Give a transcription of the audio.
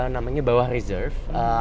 namanya bawah reserve